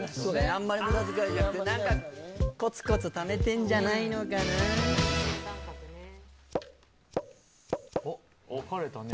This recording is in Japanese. あんまり無駄遣いじゃなくて何かコツコツ貯めてんじゃないのかなおっ分かれたね